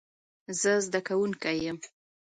زه زده کوونکی یم